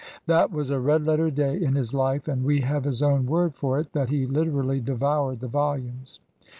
That was a red let ter day in his life, and we have his own word for it that he literally devoured the volumes.